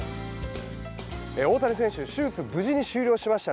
大谷選手手術は無事に終了しました。